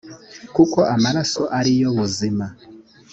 kuko amaraso ari yo buzima;